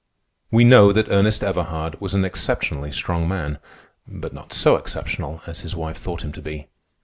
We know that Ernest Everhard was an exceptionally strong man, but not so exceptional as his wife thought him to be.